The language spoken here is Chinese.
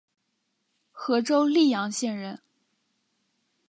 和州历阳县人。